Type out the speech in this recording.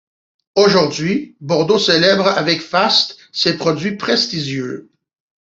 Aujourd'hui, Bordeaux célèbre avec faste ses produits prestigieux.